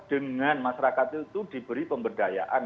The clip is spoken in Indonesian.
dengan masyarakat itu diberi pemberdayaan